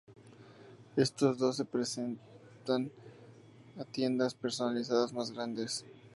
Estos dos se prestan a tiendas personalizadas más grandes.